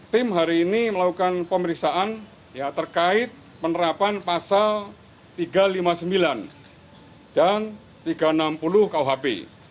tim hari ini melakukan pemeriksaan terkait penerapan pasal tiga ratus lima puluh sembilan dan tiga ratus enam puluh kuhp